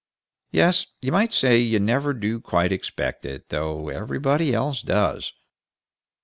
Yes, you might say you never do quite expect it, though everybody else does.